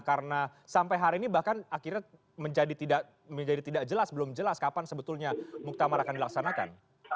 karena sampai hari ini bahkan akhirnya menjadi tidak jelas belum jelas kapan sebetulnya muktamar akan dilaksanakan